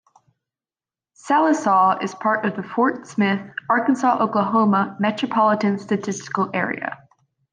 Sallisaw is part of the Fort Smith, Arkansas-Oklahoma Metropolitan Statistical Area.